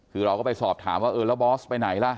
คือเราก็ไปสอบถามว่าเออแล้วบอสไปไหนล่ะ